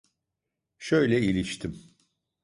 Şöyle iliştim.